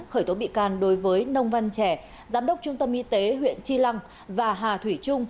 khởi tố bị can đối với nông văn trẻ giám đốc trung tâm y tế huyện chi lăng và hà thủy trung